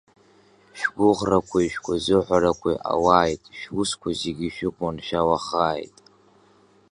Шәгәыӷрақәеи шәгәазыҳәарақәеи ҟалааит, шәусқәа зегьы шықәманшәалахааит!